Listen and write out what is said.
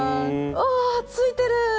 ああついてる。